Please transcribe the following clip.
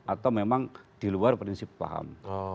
atau memang di luar prinsip paham